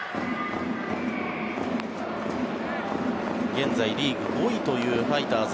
現在、リーグ５位というファイターズ。